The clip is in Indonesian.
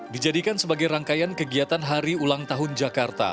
dijadikan sebagai rangkaian kegiatan hari ulang tahun jakarta